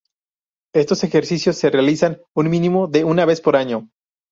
Estos ejercicios se realizan un mínimo de una vez por año.